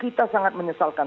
kita sangat menyesalkan